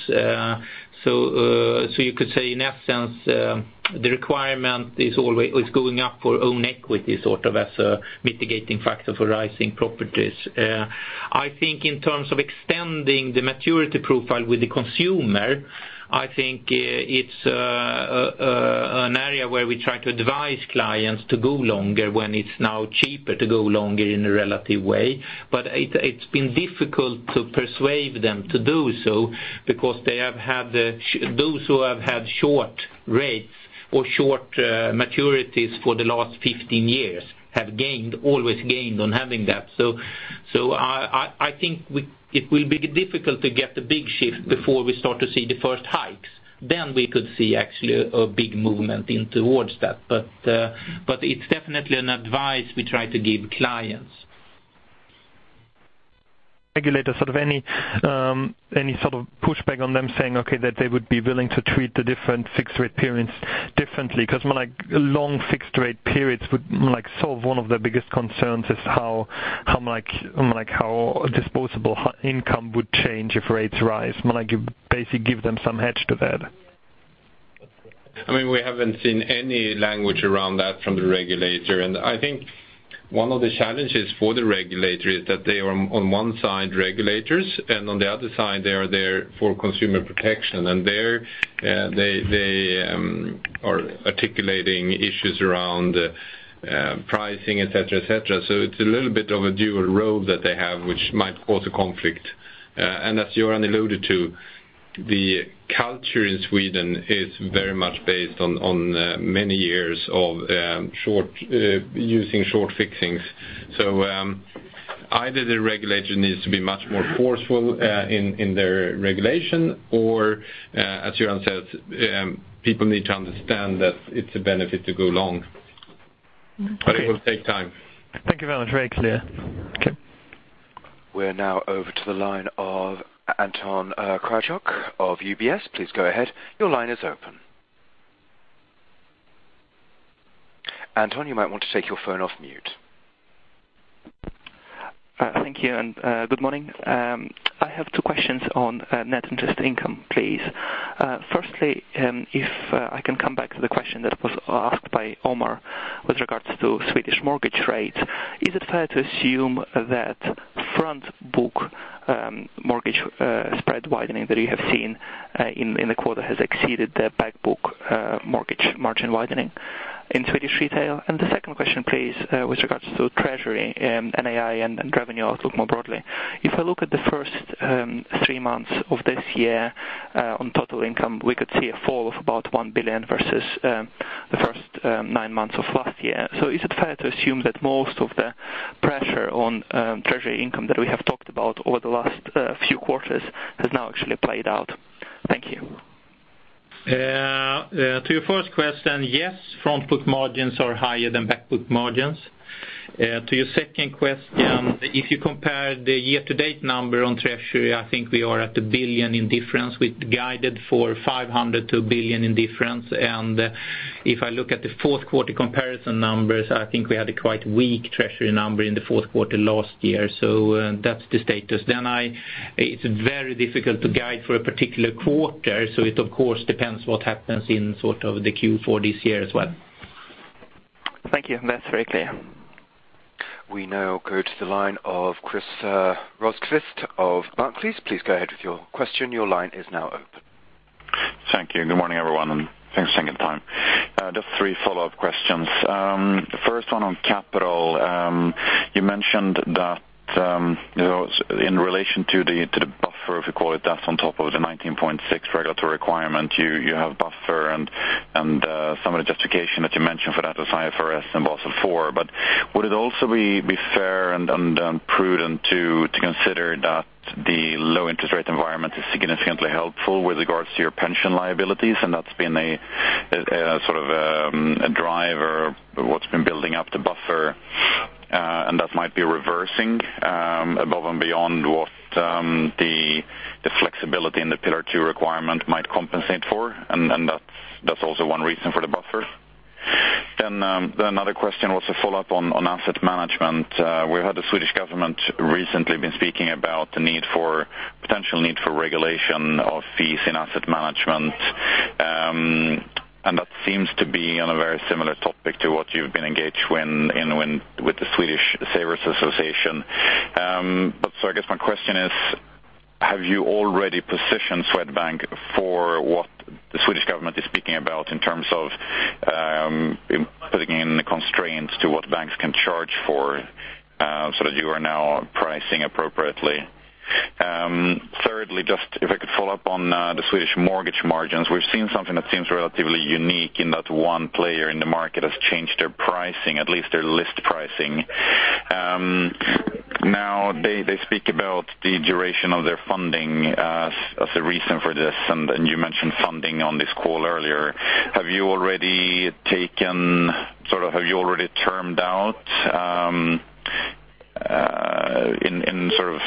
You could say, in essence, the requirement is always going up for own equity, sort of as a mitigating factor for rising properties. I think in terms of extending the maturity profile with the consumer, I think it's an area where we try to advise clients to go longer when it's now cheaper to go longer in a relative way. It's been difficult to persuade them to do so because those who have had short rates or short maturities for the last 15 years have gained, always gained on having that. I think it will be difficult to get the big shift before we start to see the first hikes. Then we could see actually a big movement in towards that. But it's definitely an advice we try to give clients. Regulator, sort of any, any sort of pushback on them saying, okay, that they would be willing to treat the different fixed rate periods differently? Because more like long fixed rate periods would, like, solve one of their biggest concerns, is how, how, like, like how disposable income would change if rates rise. More like you basically give them some hedge to that. I mean, we haven't seen any language around that from the regulator. I think one of the challenges for the regulator is that they are on one side, regulators, and on the other side, they are there for consumer protection. There, they are articulating issues around pricing, et cetera, et cetera. So it's a little bit of a dual role that they have, which might cause a conflict. As Göran alluded to, the culture in Sweden is very much based on many years of using short fixings. So, either the regulator needs to be much more forceful in their regulation, or, as Göran says, people need to understand that it's a benefit to go long. But it will take time. Thank you very much. Very clear. Okay. We're now over to the line of Anton Kryachok of UBS. Please go ahead. Your line is open. Anton, you might want to take your phone off mute. Thank you, and good morning. I have two questions on net interest income, please. Firstly, if I can come back to the question that was asked by Omar with regards to Swedish mortgage rates. Is it fair to assume that front book mortgage spread widening that you have seen in the quarter has exceeded the back book mortgage margin widening in Swedish retail? And the second question, please, with regards to treasury and NII and revenue outlook more broadly. If I look at the first three months of this year on total income, we could see a fall of about 1 billion versus the first nine months of last year. So is it fair to assume that most of the pressure on treasury income that we have talked about over the last few quarters has now actually played out? Thank you. To your first question, yes, front book margins are higher than back book margins. To your second question, if you compare the year-to-date number on treasury, I think we are at 1 billion in difference. We guided for 500 million-1 billion in difference. And if I look at the fourth quarter comparison numbers, I think we had a quite weak treasury number in the fourth quarter last year. So that's the status. Then it's very difficult to guide for a particular quarter, so it of course depends what happens in sort of the Q4 this year as well. Thank you. That's very clear. We now go to the line of Chris Rosqvist of Barclays. Please go ahead with your question. Your line is now open. Thank you. Good morning, everyone, and thanks again for your time. Just three follow-up questions. First one on capital. You mentioned that, you know, in relation to the, to the buffer, if you call it, that's on top of the 19.6 regulatory requirement, you, you have buffer and, and, some of the justification that you mentioned for that is IFRS and Basel IV. But would it also be, be fair and, and, prudent to, to consider that the low interest rate environment is significantly helpful with regards to your pension liabilities? And that's been a, sort of, a driver, what's been building up the buffer, and that might be reversing, above and beyond what, the, the flexibility in the pillar two requirement might compensate for, and, and that's, that's also one reason for the buffer. Then, another question was a follow-up on asset management. We've had the Swedish government recently been speaking about the potential need for regulation of fees in asset management. That seems to be on a very similar topic to what you've been engaged with the Swedish Savers Association. So I guess my question is, have you already positioned Swedbank for what the Swedish government is speaking about in terms of putting in the constraints to what banks can charge for, so that you are now pricing appropriately? Thirdly, just if I could follow up on the Swedish mortgage margins. We've seen something that seems relatively unique in that one player in the market has changed their pricing, at least their list pricing. Now they speak about the duration of their funding as the reason for this, and you mentioned funding on this call earlier. Have you already taken, sort of, have you already termed out, in sort of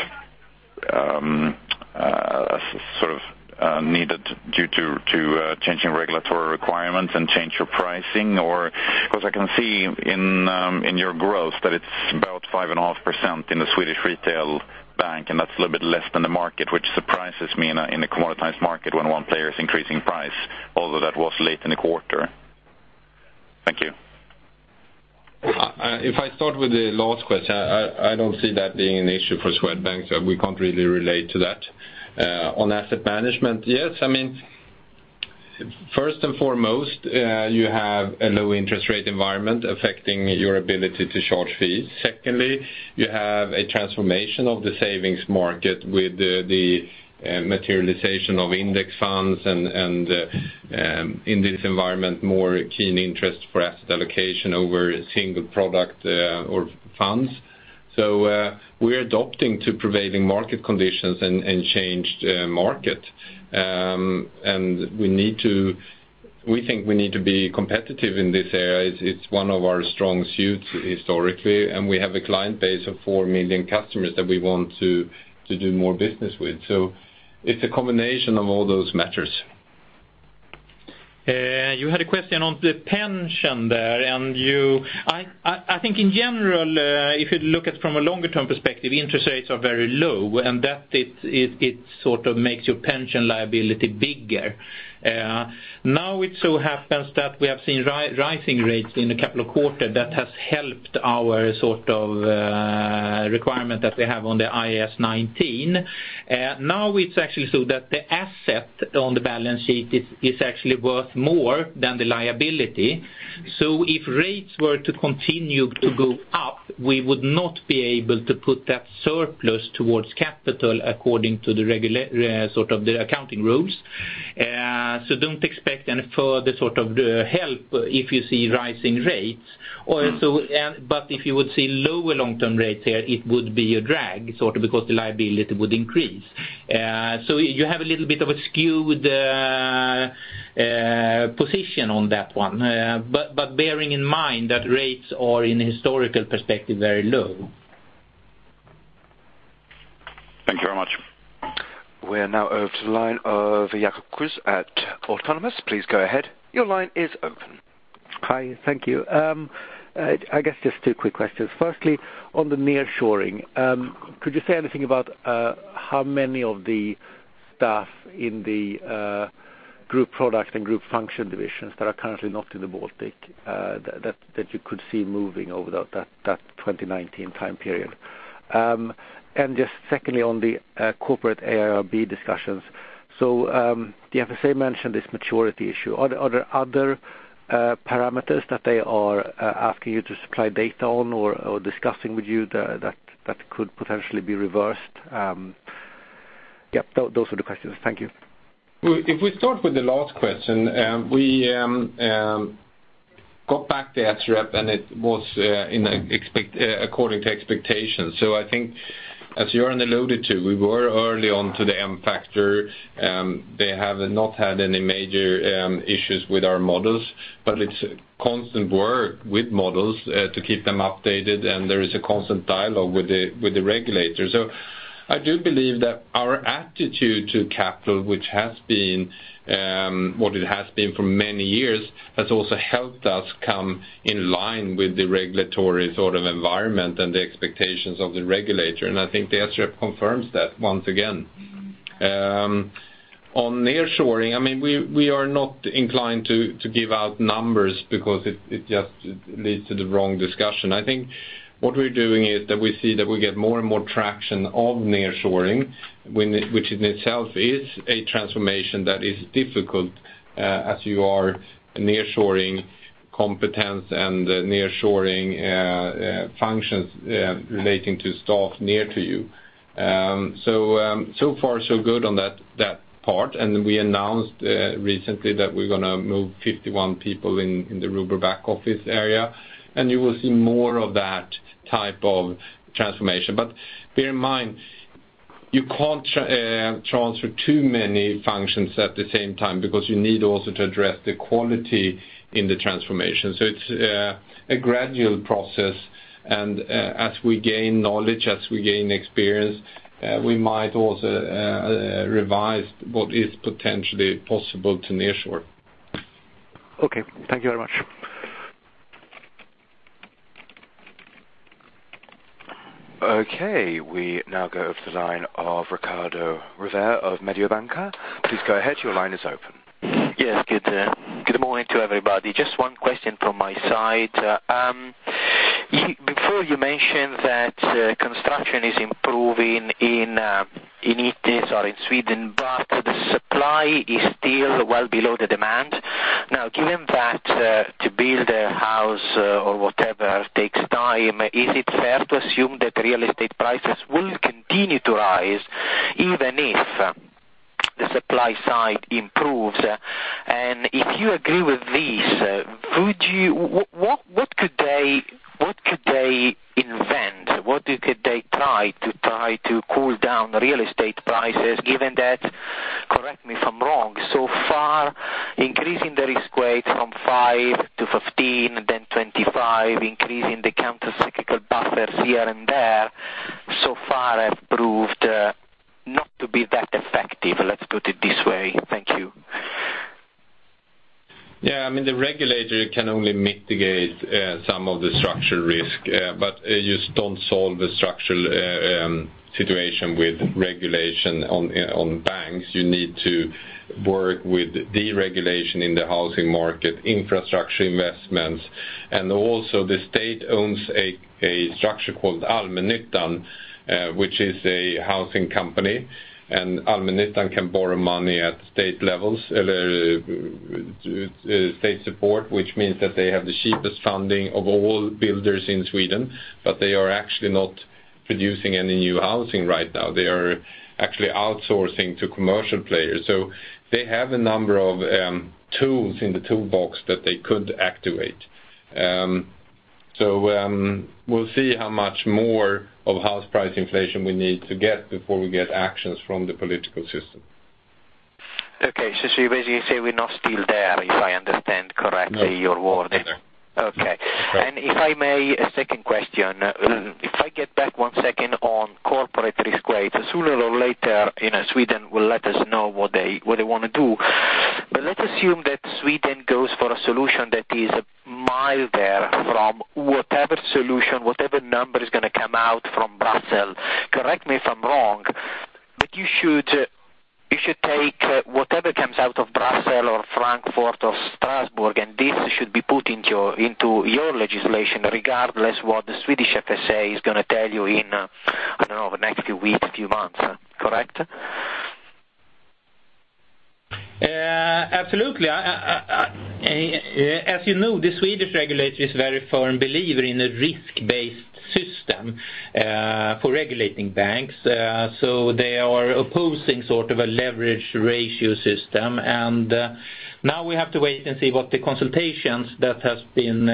needed due to changing regulatory requirements and change your pricing? Or, because I can see in your growth that it's about 5.5% in the Swedish retail bank, and that's a little bit less than the market, which surprises me in a commoditized market when one player is increasing price, although that was late in the quarter. Thank you. If I start with the last question, I don't see that being an issue for Swedbank, so we can't really relate to that. On asset management, yes, I mean, first and foremost, you have a low interest rate environment affecting your ability to charge fees. Secondly, you have a transformation of the savings market with the materialization of index funds and in this environment, more keen interest for asset allocation over a single product or funds. So, we're adopting to prevailing market conditions and changed market. And we need to... We think we need to be competitive in this area. It's one of our strong suits historically, and we have a client base of 4 million customers that we want to do more business with. So it's a combination of all those matters. You had a question on the pension there, and you—I think in general, if you look at from a longer term perspective, interest rates are very low, and that sort of makes your pension liability bigger. Now, it so happens that we have seen rising rates in a couple of quarters that has helped our sort of requirement that we have on the IAS 19. Now, it's actually so that the asset on the balance sheet is actually worth more than the liability. So if rates were to continue to go up, we would not be able to put that surplus towards capital according to the regulatory sort of the accounting rules. So don't expect any further sort of help if you see rising rates. Or so, but if you would see lower long-term rates here, it would be a drag, sort of, because the liability would increase. So you have a little bit of a skewed position on that one, but bearing in mind that rates are, in a historical perspective, very low. Thank you very much. We are now over to the line of Jacob Kruse at Autonomous. Please go ahead. Your line is open. Hi, thank you. I guess just two quick questions. Firstly, on the nearshoring, could you say anything about how many of the staff in the group product and group function divisions that are currently not in the Baltic that you could see moving over that 2019 time period? And just secondly, on the corporate AIRB discussions. So, the FSA mentioned this maturity issue. Are there other parameters that they are asking you to supply data on or discussing with you that could potentially be reversed? Yep, those are the questions. Thank you. Well, if we start with the last question, we got back the SREP, and it was in accordance according to expectations. So I think, as Göran alluded to, we were early on to the M factor. They have not had any major issues with our models, but it's constant work with models to keep them updated, and there is a constant dialogue with the regulators. So I do believe that our attitude to capital, which has been what it has been for many years, has also helped us come in line with the regulatory sort of environment and the expectations of the regulator, and I think the SREP confirms that once again. On nearshoring, I mean, we are not inclined to give out numbers because it just leads to the wrong discussion. I think what we're doing is that we see that we get more and more traction on nearshoring, when it, which in itself is a transformation that is difficult, as you are nearshoring competence and nearshoring functions relating to staff near to you. So far, so good on that part. And we announced recently that we're gonna move 51 people in the Robur back office area, and you will see more of that type of transformation. But bear in mind, you can't transfer too many functions at the same time because you need also to address the quality in the transformation. So it's a gradual process, and as we gain knowledge, as we gain experience, we might also revise what is potentially possible to nearshore. Okay. Thank you very much. ... Okay, we now go over to the line of Ricardo Rovere of Mediobanca. Please go ahead. Your line is open. Yes, good morning to everybody. Just one question from my side. Before you mentioned that, construction is improving in cities or in Sweden, but the supply is still well below the demand. Now, given that, to build a house or whatever takes time, is it fair to assume that real estate prices will continue to rise, even if the supply side improves? And if you agree with this, would you, what could they invent? What could they try to cool down the real estate prices, given that, correct me if I'm wrong, so far, increasing the risk rate from 5 to 15, then 25, increasing the counter cyclical buffers here and there, so far have proved not to be that effective. Let's put it this way. Thank you. Yeah, I mean, the regulator can only mitigate some of the structural risk, but you just don't solve the structural situation with regulation on banks. You need to work with deregulation in the housing market, infrastructure investments, and also the state owns a structure called Allmännyttan, which is a housing company, and Allmännyttan can borrow money at state levels, state support, which means that they have the cheapest funding of all builders in Sweden, but they are actually not producing any new housing right now. They are actually outsourcing to commercial players. So they have a number of tools in the toolbox that they could activate. So, we'll see how much more of house price inflation we need to get before we get actions from the political system. Okay, so you basically say we're not still there, if I understand correctly, your wording. No, we're not there. Okay. Right. If I may, a second question. Mm-hmm. If I get back one second on corporate risk rate, sooner or later, you know, Sweden will let us know what they, what they want to do. But let's assume that Sweden goes for a solution that is milder from whatever solution, whatever number is gonna come out from Brussels. Correct me if I'm wrong, but you should, you should take whatever comes out of Brussels or Frankfurt or Strasbourg, and this should be put into your, into your legislation, regardless what the Swedish FSA is gonna tell you in, I don't know, the next few weeks, few months. Correct? Absolutely. As you know, the Swedish regulator is a very firm believer in a risk-based system for regulating banks. So they are opposing sort of a leverage ratio system. And now we have to wait and see what the consultations that has been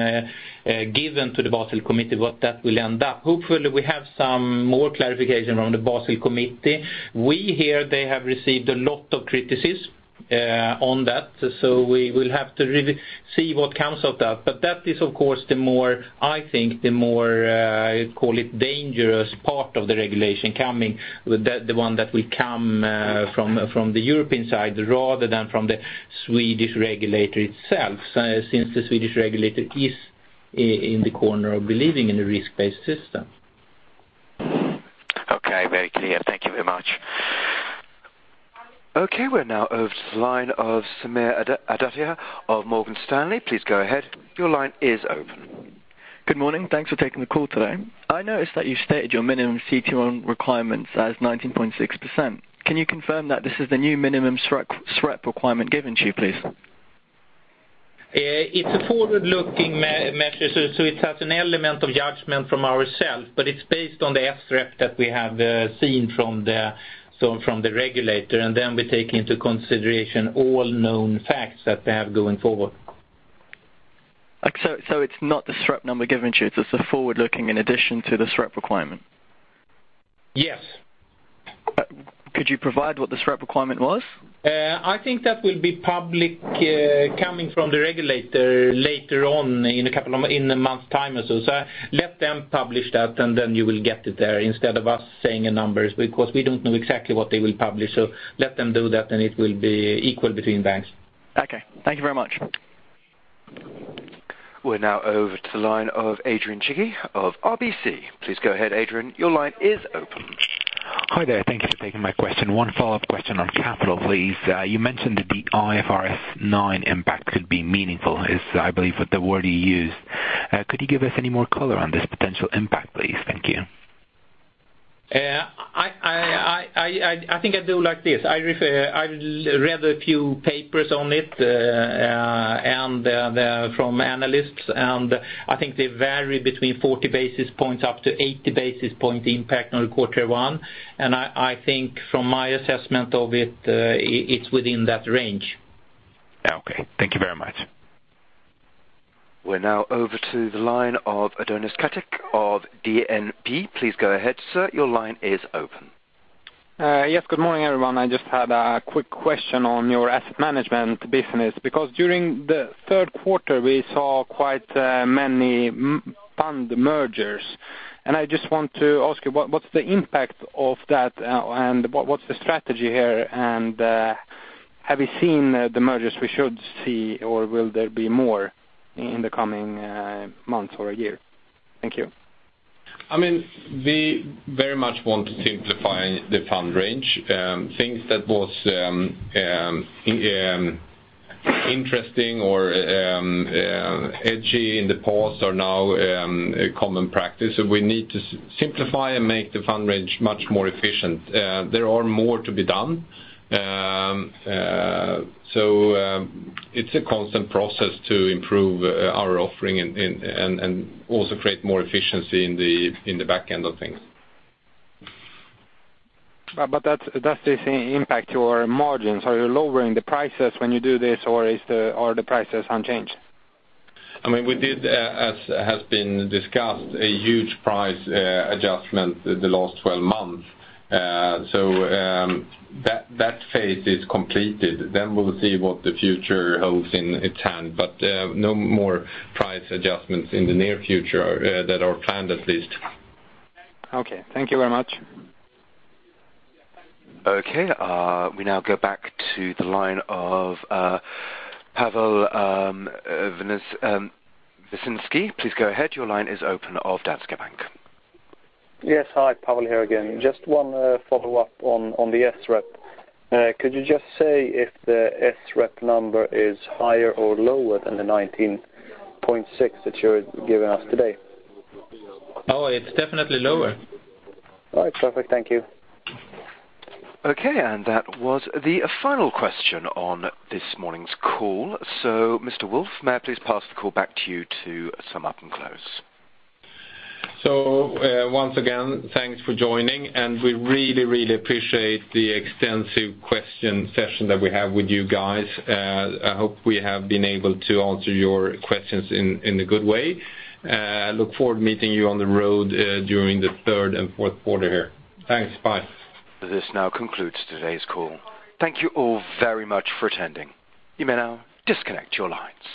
given to the Basel Committee, what that will end up. Hopefully, we have some more clarification from the Basel Committee. We hear they have received a lot of criticism on that, so we will have to see what comes of that. But that is, of course, the more, I think, the more, call it dangerous part of the regulation coming, with the one that will come from the European side, rather than from the Swedish regulator itself, since the Swedish regulator is in the corner of believing in a risk-based system. Okay, very clear. Thank you very much. Okay, we're now over to the line of Sameer Adadiah of Morgan Stanley. Please go ahead. Your line is open. Good morning. Thanks for taking the call today. I noticed that you stated your minimum CET1 requirements as 19.6%. Can you confirm that this is the new minimum SREP requirement given to you, please? It's a forward-looking measure, so it has an element of judgment from ourselves, but it's based on the SREP that we have seen from the regulator, and then we take into consideration all known facts that they have going forward. So, it's not the SREP number given to you. It's a forward-looking in addition to the SREP requirement? Yes. Could you provide what the SREP requirement was? I think that will be public, coming from the regulator later on in a couple of months, in a month's time or so. So let them publish that, and then you will get it there, instead of us saying a numbers, because we don't know exactly what they will publish. So let them do that, and it will be equal between banks. Okay. Thank you very much. We're now over to the line of Adrian Cighi of RBC. Please go ahead, Adrian. Your line is open. Hi there. Thank you for taking my question. One follow-up question on capital, please. You mentioned that the IFRS 9 impact could be meaningful, is, I believe, with the word you used. Could you give us any more color on this potential impact, please? Thank you. I think I do like this. I read a few papers on it, and from analysts, and I think they vary between 40 basis points up to 80 basis point impact on quarter one. And I think from my assessment of it, it's within that range. Okay. Thank you very much. We're now over to the line of Adonis Ketic of DNB. Please go ahead, sir. Your line is open. Yes, good morning, everyone. I just had a quick question on your asset management business, because during the third quarter, we saw quite many fund mergers. I just want to ask you, what, what's the impact of that, and what, what's the strategy here, and-... Have you seen the mergers we should see, or will there be more in the coming, months or a year? Thank you. I mean, we very much want to simplify the fund range. Things that was interesting or edgy in the past are now a common practice. So we need to simplify and make the fund range much more efficient. There are more to be done. So, it's a constant process to improve our offering and also create more efficiency in the back end of things. But that's, does this impact your margins? Are you lowering the prices when you do this, or are the prices unchanged? I mean, we did, as has been discussed, a huge price adjustment the last 12 months. So, that phase is completed, then we'll see what the future holds in its hand. But, no more price adjustments in the near future, that are planned, at least. Okay, thank you very much. Okay, we now go back to the line of Pavel Novoslavskij. Please go ahead, your line is open, of Danske Bank. Yes. Hi, Pavel, here again. Just one follow-up on the SREP. Could you just say if the SREP number is higher or lower than the 19.6 that you're giving us today? Oh, it's definitely lower. All right, perfect. Thank you. Okay, and that was the final question on this morning's call. So, Mr. Wolf, may I please pass the call back to you to sum up and close. Once again, thanks for joining, and we really, really appreciate the extensive question session that we have with you guys. I hope we have been able to answer your questions in a good way. Look forward to meeting you on the road during the third and fourth quarter here. Thanks. Bye. This now concludes today's call. Thank you all very much for attending. You may now disconnect your lines.